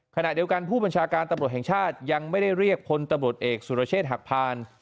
ขณะเดียวกันผู้บัญชาการตำรวจแห่งชาติยังไม่ได้เรียกพลตำรวจเอกสุรเชษฐ์หักพาน